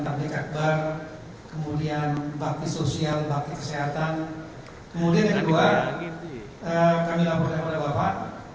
terdekat bar kemudian bakti sosial bakti kesehatan kemudian yang kedua kami laporkan oleh bapak